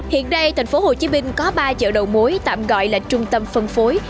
hiện đây tp hcm có ba chợ đầu mối tạm gọi là trung tâm phân phối